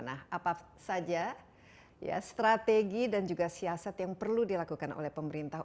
nah apa saja strategi dan juga siasat yang perlu dilakukan oleh pemerintah